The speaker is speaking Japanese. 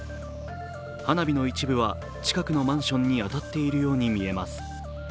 花火の一部は近くのマンションに当たっているように見えます。